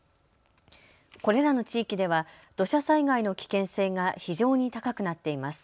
これらの地域では土砂災害の危険性が非常に高くなっています。